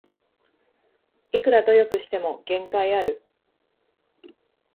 いくら努力しても限界ある